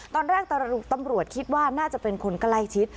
ตอนแรกตำรวจคิดว่าน่าจะเป็นคนใกล้ชิด